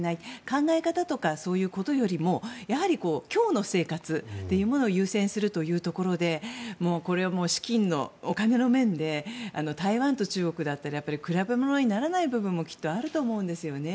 考え方とかそういうことよりもやはり、今日の生活を優先するということでこれは資金、お金の面で台湾と中国だったら比べものにならない部分もきっとあると思うんですね。